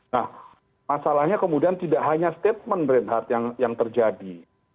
nah masalahnya kemudian tidak hanya statement reinhardt yang terjadi